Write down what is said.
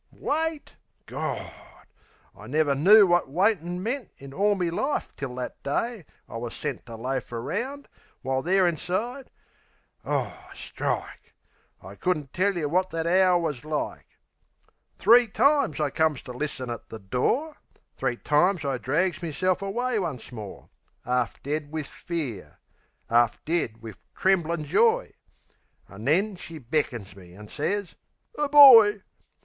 Wait?...Gawd!...I never knoo wot waitin' meant In all me life till that day I was sent To loaf around, while there inside Aw, strike! I couldn't tell yeh wot that hour was like! Three times I comes to listen at the door; Three times I drags meself away once more; 'Arf dead wiv fear; 'arf dead wiv tremblin' joy... An' then she beckons me, an' sez "A boy!"